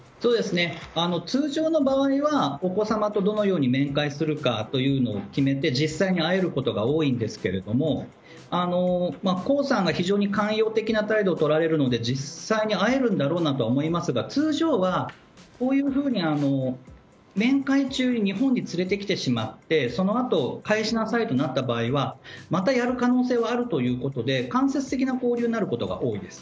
通常の場合はお子様とどのように面会するかというのを決めて実際に会えることが多いんですけれども江さんが非常に寛容的な態度を取られるので実際に会えるんだろうとは思いますが通常は、こういうふうに面会中に日本に連れてきてしまってそのあと返しなさいとなった場合はまたやる可能性はあるということで間接的な交流になることが多いです。